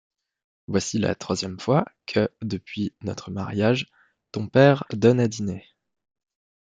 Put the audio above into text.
Voici la troisième fois que, depuis notre mariage, ton père donne à dîner.